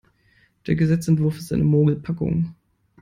Der Gesetzesentwurf ist eine Mogelpackung.